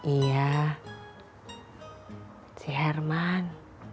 iya si herman